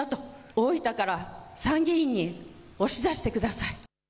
大分から参議院に押し出してください。